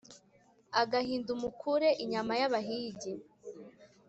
aga hindu mukure inyama y'abahigi